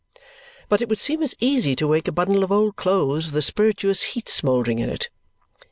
But it would seem as easy to wake a bundle of old clothes with a spirituous heat smouldering in it.